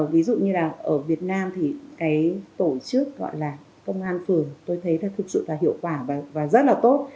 ví dụ như là ở việt nam thì cái tổ chức gọi là công an phường tôi thấy là thực sự là hiệu quả và rất là tốt